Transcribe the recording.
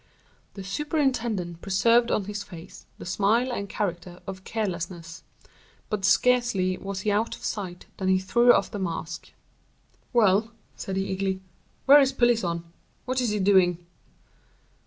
The superintendent preserved on his face the smile and character of carelessness; but scarcely was he out of sight than he threw off the mask. "Well!" said he, eagerly, "where is Pelisson! What is he doing?"